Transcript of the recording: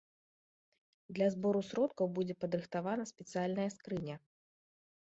Для збору сродкаў будзе падрыхтавана спецыяльная скрыня.